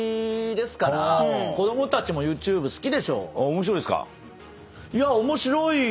面白いですか？